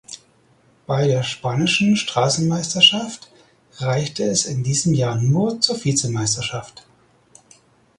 Bei der spanischen Straßenmeisterschaft reichte es in diesem Jahr nur zur Vizemeisterschaft.